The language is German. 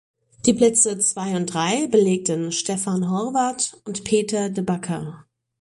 Die Plätze zwei und drei belegten Stephan Horvath und Peter de Backer.